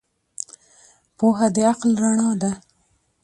پوهه د عقل رڼا ده.